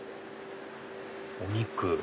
お肉。